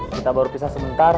kita baru pisah sebentar